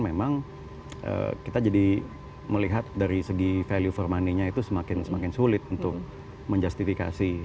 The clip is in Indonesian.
memang kita jadi melihat dari segi value for money nya itu semakin sulit untuk menjustifikasi